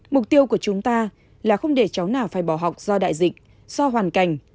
mục tiêu của chúng ta là không để cháu nào phải bỏ học do đại dịch do hoàn cảnh